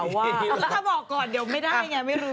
แล้วถ้าบอกก่อนเดี๋ยวไม่ได้ไงไม่รู้